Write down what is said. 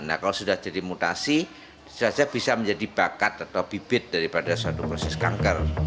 nah kalau sudah jadi mutasi bisa saja bisa menjadi bakat atau bibit daripada suatu proses kanker